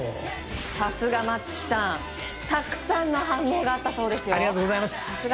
さすが松木さんたくさんの反応があったそうです。